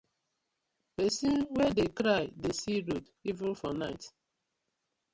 Pesin wey dey cry dey see road even for night.